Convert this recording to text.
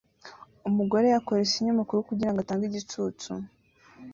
Umugore akoresha ikinyamakuru kugirango atange igicucu